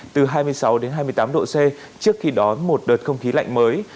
từ hai mươi sáu đến hai mươi tám độ c trước khi đón một đợt không khí lạnh mới